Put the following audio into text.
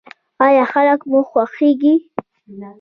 ایا خلک مو خوښیږي؟